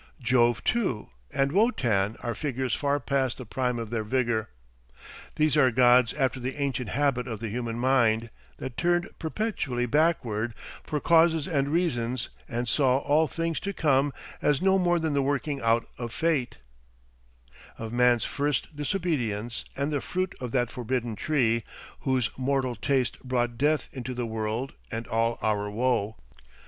Jove too and Wotan are figures far past the prime of their vigour. These are gods after the ancient habit of the human mind, that turned perpetually backward for causes and reasons and saw all things to come as no more than the working out of Fate, "Of Man's first disobedience and the fruit Of that forbidden tree, whose mortal taste Brought death into the world and all our woe."